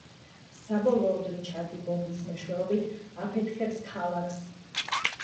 საბოლოოდ რიჩარდი ბომბის მეშვეობით აფეთქებს ქალაქს.